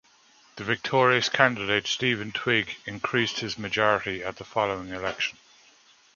The victorious candidate, Stephen Twigg, increased his majority at the following election.